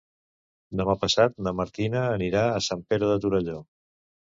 Demà passat na Martina anirà a Sant Pere de Torelló.